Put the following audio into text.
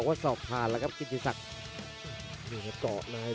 กันต่อแพทย์จินดอร์